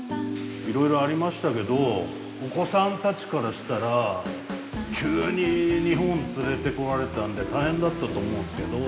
いろいろありましたけどお子さんたちからしたら急に日本連れてこられたんで大変だったと思うんですけど。